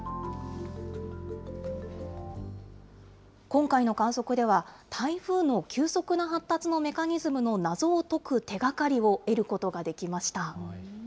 今回の観測では、台風の急速な発達のメカニズムの謎を解く手がかりを得ることができました。